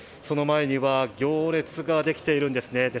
その前には行列ができているんですね。